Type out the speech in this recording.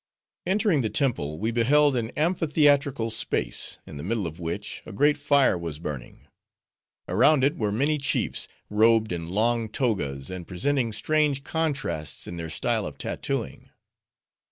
Entering the temple, we beheld an amphitheatrical space, in the middle of which, a great fire was burning. Around it, were many chiefs, robed in long togas, and presenting strange contrasts in their style of tattooing.